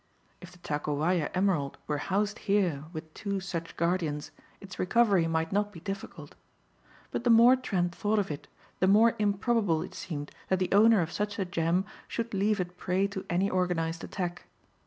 If the Takowaja emerald were housed here with two such guardians its recovery might not be difficult. But the more Trent thought of it the more improbable it seemed that the owner of such a gem should leave it prey to any organized attack.